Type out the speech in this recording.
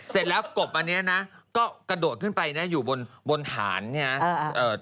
เสร็จแล้วกบอันนี้นะก็กระโดดขึ้นไปนะอยู่บนบนฐานเนี่ย